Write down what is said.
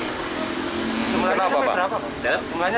sejumlahnya sampai berapa